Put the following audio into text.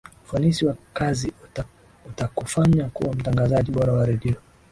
ufanisi wa kazi utakufanya kuwa mtangazaji bora wa redio